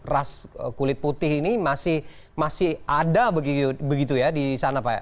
ras kulit putih ini masih ada begitu ya di sana pak